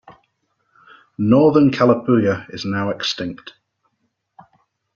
Northern Kalapuya is now extinct.